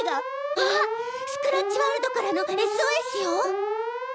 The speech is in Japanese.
あっスクラッチワールドからのＳＯＳよ。